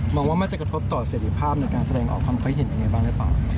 ว่ามันจะกระทบต่อเสร็จภาพในการแสดงออกความคิดเห็นยังไงบ้างหรือเปล่า